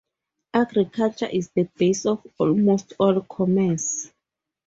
Agriculture is the base of almost all commerce.